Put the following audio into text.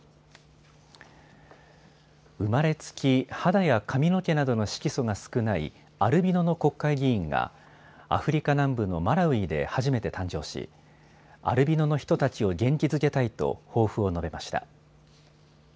生まれつき肌や髪の毛などの色素が少ないアルビノの国会議員がアフリカ南部のマラウイで初めて誕生しアルビノの人たちを元気づけたいと抱負を述べました。